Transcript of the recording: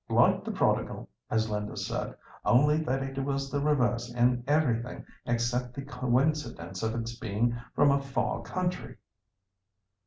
"Like the prodigal," as Linda said, "only that it was the reverse in everything except the coincidence of its being 'from a far country.